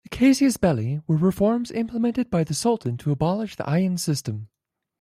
The "casus belli" were reforms implemented by the Sultan to abolish the ayan system.